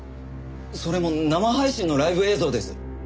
それも生配信のライブ映像です。